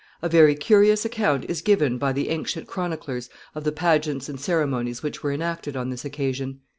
A very curious account is given by the ancient chroniclers of the pageants and ceremonies which were enacted on this occasion.